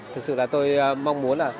thực sự là tôi mong muốn là